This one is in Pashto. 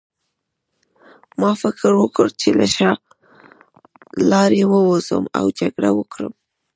ما فکر وکړ چې له شا لارې ووځم او جګړه وکړم